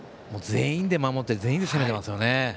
全員で守って全員で攻めていますね。